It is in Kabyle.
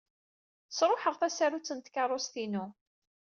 Sṛuḥeɣ tasarut n tkeṛṛust-inu.